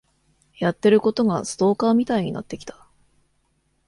やってることがストーカーみたいになってきた。